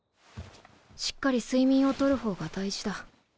しっかり睡眠を取るほうが大事だ。